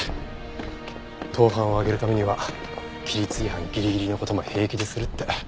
盗犯を挙げるためには規律違反ギリギリの事も平気でするって。